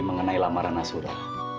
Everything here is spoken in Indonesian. mengenai lamaran nasura